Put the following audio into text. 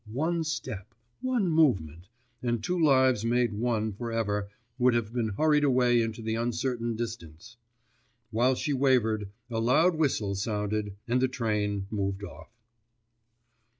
One step, one movement, and two lives made one for ever would have been hurried away into the uncertain distance.... While she wavered, a loud whistle sounded and the train moved off.